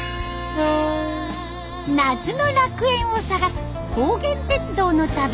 夏の楽園を探す高原鉄道の旅。